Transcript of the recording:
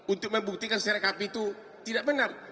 untuk membuktikan si rekap itu tidak benar